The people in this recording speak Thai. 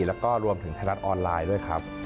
แล้วก็รวมถึงไทยรัฐออนไลน์ด้วยครับ